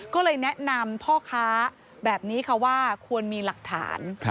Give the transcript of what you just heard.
ก็เลยแนะนำพ่อค้าแบบนี้ค่ะว่าควรมีหลักฐาน